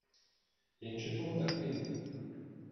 Jenže tomu tak není.